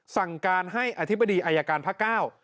สั่งการให้อธิบดีอายการภาคเก้า